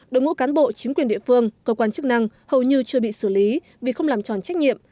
đội ngũ cán bộ chính quyền địa phương cơ quan chức năng hầu như chưa bị xử lý vì không làm tròn trách nhiệm